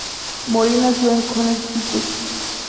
Morin nació en Connecticut.